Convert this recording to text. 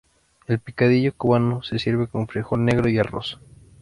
El picadillo cubano se sirve con frijol negro y arroz.